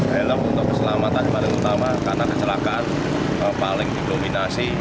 helm untuk keselamatan paling utama karena kecelakaan paling didominasi